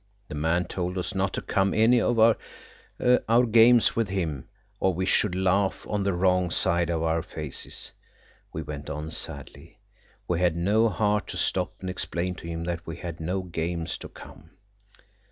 The man told us not to come any of our games with him; or we should laugh on the wrong side of our faces. We went on sadly. We had no heart to stop and explain to him that we had no games to come.